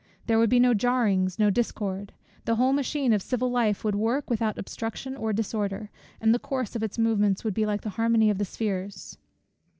There would be no jarrings, no discord. The whole machine of civil life would work without obstruction or disorder, and the course of its movements would be like the harmony of the spheres.